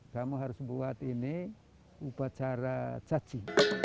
kamu harus buat ini upacara caci